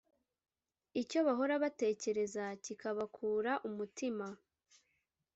Icyo bahora batekereza, kikabakura umutima,